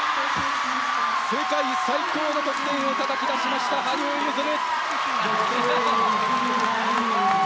世界最高の得点をたたき出しました羽生結弦！